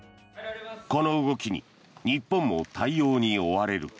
この動きに日本も対応に追われる。